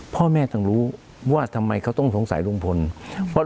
พ่อแม่ต้องรู้ว่าทำไมเขาต้องสงสัยลุงพล